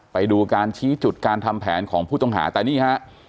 ไปดูการชี้จุดการทำแผนของผู้ต้องหาแต่นี่ฮะ